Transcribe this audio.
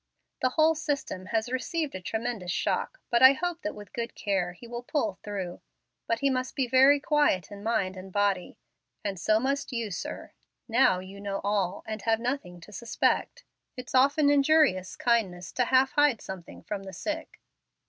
The whole system has received a tremendous shock, but I hope that with good care he will pull through. But he must be kept very quiet in mind and body. And so must you, sir. Now you know all, and have nothing to suspect. It's often injurious kindness to half hide something from the sick."